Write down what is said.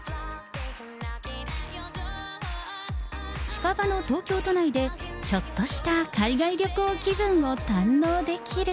近場の東京都内で、ちょっとした海外旅行気分を堪能できる。